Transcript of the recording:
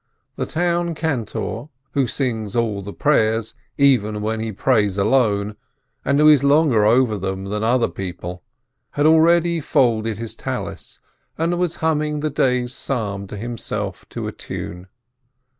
The town cantor who sings all the prayers, even when he prays alone, and who is longer over them than other people, had already folded his prayer scarf, and was humming the day's Psalm to himself, to a tune.